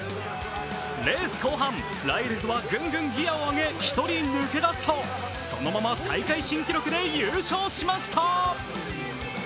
レース後半、ライルズはグングンギヤを上げ、１人抜け出すとそのまま大会新記録で優勝しました。